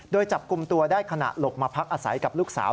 โดยจับกลุ่มตัวได้ขณะหลบมาพักอาศัยกับลูกสาว